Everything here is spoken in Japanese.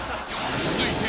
［続いて］